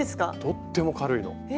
とっても軽いの。